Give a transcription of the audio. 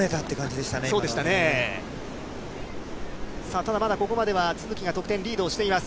さあ、ただまだここまでは都筑が得点リードをしています。